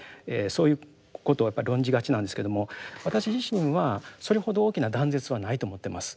そういうことを論じがちなんですけども私自身はそれほど大きな断絶はないと思ってます。